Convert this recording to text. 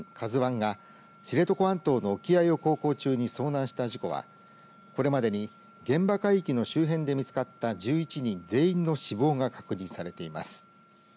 ＫＡＺＵＩが知床半島の沖合を航行中に遭難した事故はこれまでに現場海域の周辺で見つかった１１人全員の死亡が確認されています。